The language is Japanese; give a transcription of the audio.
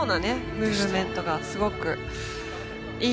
ムーブメントがすごくいいですね。